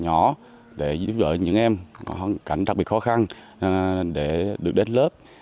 nhỏ để giúp đỡ những em có hoàn cảnh đặc biệt khó khăn để được đến lớp